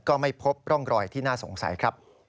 ก็ไม่พบร่องรอยที่น่าสงสัยครับ